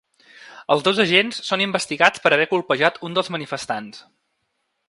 Els dos agents són investigats per haver colpejat un dels manifestants.